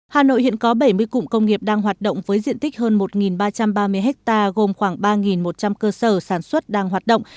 hà nội hiện có bảy mươi cụm công nghiệp đang hoạt động với diện tích hơn một ba trăm ba mươi ha gồm khoảng ba một trăm linh cơ sở sản xuất đang hoạt động